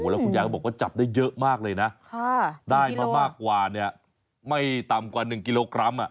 แล้วคุณยายก็บอกว่าจับได้เยอะมากเลยนะได้มามากกว่าเนี่ยไม่ต่ำกว่า๑กิโลกรัม